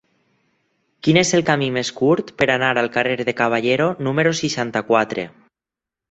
Quin és el camí més curt per anar al carrer de Caballero número seixanta-quatre?